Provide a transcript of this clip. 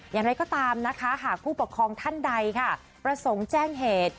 อย่างไรก็ตามนะคะหากผู้ปกครองท่านใดค่ะประสงค์แจ้งเหตุ